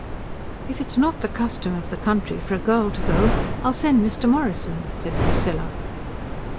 "If it's not the custom of the country for a girl to go I'll send Mr. Morrison," said Priscilla.